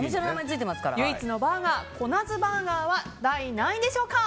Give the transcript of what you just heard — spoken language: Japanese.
唯一のバーガーコナズバーガーは第何位でしょうか。